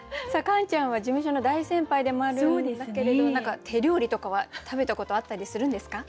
カンちゃんは事務所の大先輩でもあるんだけれど何か手料理とかは食べたことあったりするんですか？